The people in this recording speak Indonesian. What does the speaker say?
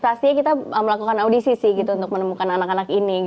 pastinya kita melakukan audisi sih gitu untuk menemukan anak anak ini